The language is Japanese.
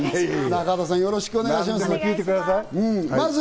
中畑さん、よろしくお願いします。